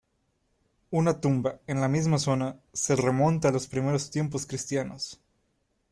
Una tumba en la misma zona se remonta a los primeros tiempos cristianos.